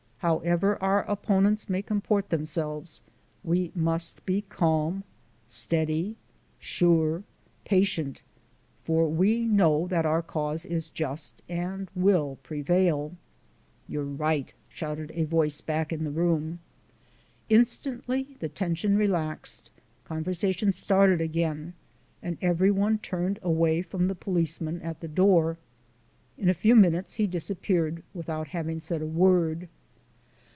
However our opponents may comport themselves, we must be calm, steady, sure, patient, for we know that our cause is just and will prevail." "You're right," shouted a voice back in the room. Instantly the tension relaxed, conversation started again and every one turned away from the policeman at the door. In a few minutes, he disappeared without having said a word.